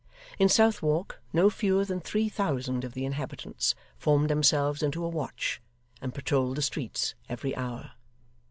In Southwark, no fewer than three thousand of the inhabitants formed themselves into a watch, and patrolled the streets every hour.